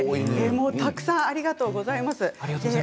たくさんありがとうございます。